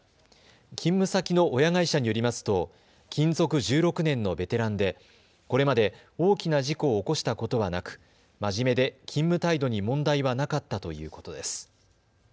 勤務先の親会社によりますと勤続１６年のベテランでこれまで大きな事故を起こしたことはなく真面目で勤務態度に問題はなかったということです。